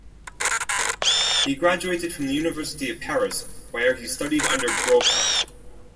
He graduated from the University of Paris where he studied under Broca.